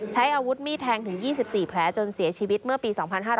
ใช้อาวุธมีดแทงถึง๒๔แผลจนเสียชีวิตเมื่อปี๒๕๕๙